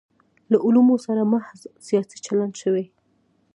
له علومو سره محض سیاسي چلند شوی.